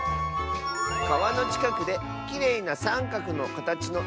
「かわのちかくできれいなさんかくのかたちのいしをみつけた！」。